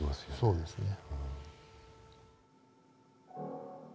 そうですね。